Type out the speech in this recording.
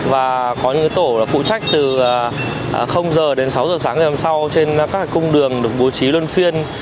và có những cái tổ là phụ trách từ h đến sáu h sáng ngày hôm sau trên các cái cung đường được bố trí luân phiên